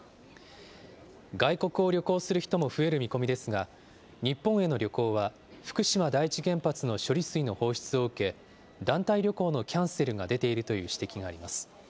外国を旅行する人も増える見込みですが、日本への旅行は、福島第一原発の処理水の放出を受け、団体旅行のキャンセルが出ているという指摘があります。